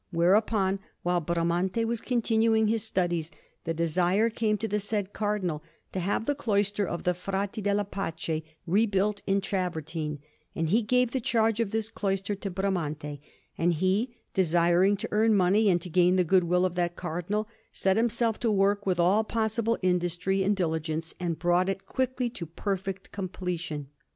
Whereupon, while Bramante was continuing his studies, the desire came to the said Cardinal to have the cloister of the Frati della Pace rebuilt in travertine, and he gave the charge of this cloister to Bramante, and he, desiring to earn money and to gain the good will of that Cardinal, set himself to work with all possible industry and diligence, and brought it quickly to perfect completion.